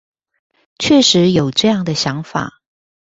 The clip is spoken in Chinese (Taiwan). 確實有這樣的想法